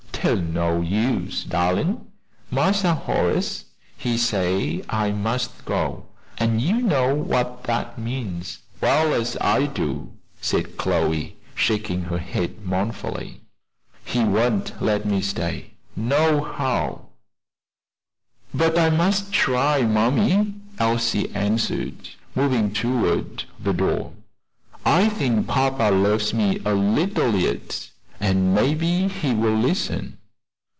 "'Tain't no use, darlin'! Massa Horace, he say I must go; an' you know what dat means, well as I do," said Chloe, shaking her head mournfully; "he won't let me stay, nohow." "But I must try, mammy," Elsie answered, moving toward the door. "I think papa loves me a little yet, and maybe he will listen."